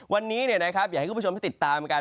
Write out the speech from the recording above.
วันนี้อยากให้คุณผู้ชมได้ติดตามกัน